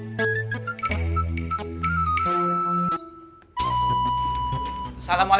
tidak ada apa apa